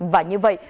và như vậy